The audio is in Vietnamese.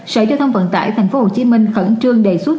sở giao thông vận tải tp hcm khẩn trương đề xuất